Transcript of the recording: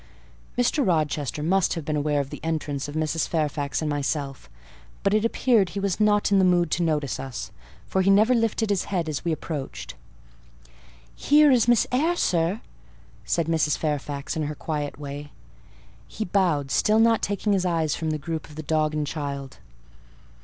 Mr. Rochester must have been aware of the entrance of Mrs. Fairfax and myself; but it appeared he was not in the mood to notice us, for he never lifted his head as we approached. "Here is Miss Eyre, sir," said Mrs. Fairfax, in her quiet way. He bowed, still not taking his eyes from the group of the dog and child.